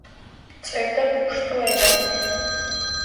წერდა პუშტუ ენაზე.